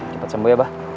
cepet sembuh ya mbah